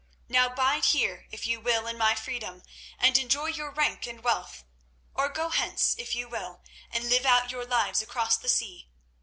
Now bide here if you will in my freedom, and enjoy your rank and wealth, or go hence if you will, and live out your lives across the sea.